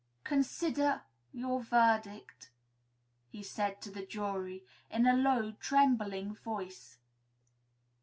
"Consider your verdict," he said to the jury, in a low, trembling voice.